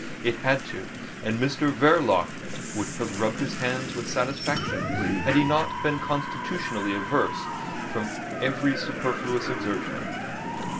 It had to—and Mr Verloc would have rubbed his hands with satisfaction had he not been constitutionally averse from every superfluous exertion.